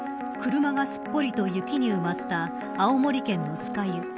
車がすっぽりと雪に埋まった青森県の酸ケ湯。